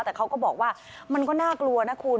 แต่เขาก็บอกว่ามันก็น่ากลัวนะคุณ